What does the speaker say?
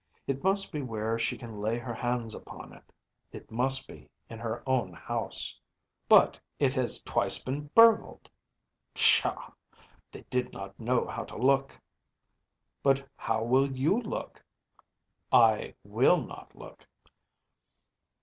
It must be where she can lay her hands upon it. It must be in her own house.‚ÄĚ “But it has twice been burgled.‚ÄĚ “Pshaw! They did not know how to look.‚ÄĚ “But how will you look?‚ÄĚ “I will not look.